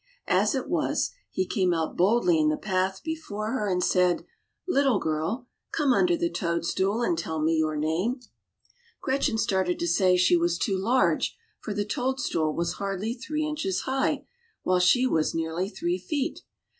As it was, he came out boldly in the path before her and said, Little girl, come under the toadstool and tell me your name." Gretchen started to say she was too large, for the toadstool was hardly three inches high, while she was near three feet.